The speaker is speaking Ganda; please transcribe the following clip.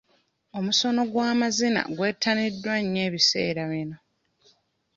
Omusono gw'amazina gwettaniddwa nnyo ebiseera bino.